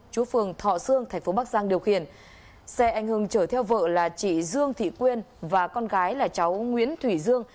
chú phường thọ sương thành phố bắc giang điều khiển xe anh hưng chở theo vợ là chị dương thủy quyên và con gái là cháu nguyễn thủy dương